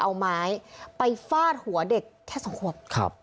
เอาไม้ไปฟาดหัวเด็กแค่๒ขวบ